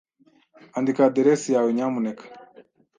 Andika aderesi yawe, nyamuneka.